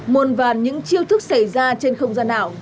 mồn vàn những chiêu thức xảy ra trên không gian ảo